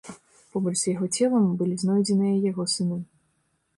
Побач з яго целам былі знойдзеныя яго сыны.